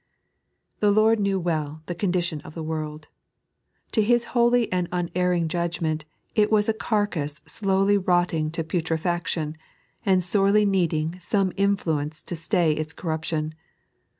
The Lord knew well the condition of the world. To His holy and unerring judgment it was a carcase slowly rotting to putrefaction, and sorely needing some influence to stay its corruption.